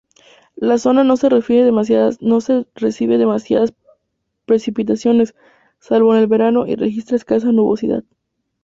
La zona no recibe demasiadas precipitaciones, salvo en el verano, y registra escasa nubosidad.